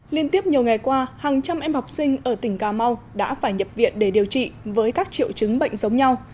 liên tiếp nhiều ngày qua hàng trăm em học sinh ở tỉnh cà mau đã phải nhập viện để điều trị với các triệu chứng bệnh giống nhau